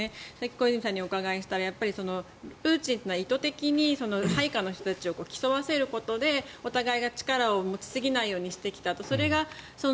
小泉さんにお伺いしたいのはプーチンというのは意図的に配下の人たちを競わせることでお互いが力を持ちすぎないようにしてきたと。